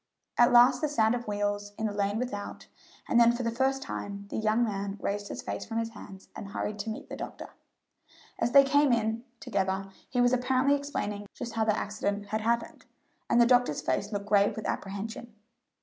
At last the sound of wheels in the lane without, and then for the first time the young man raised his face from his hands and hurried to meet the doctor. As they came in together he was apparently explaining just how the accident had happened, and the doctor's face looked grave with apprehension.